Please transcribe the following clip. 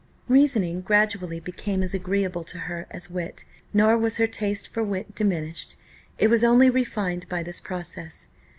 Reasoning gradually became as agreeable to her as wit; nor was her taste for wit diminished, it was only refined by this process.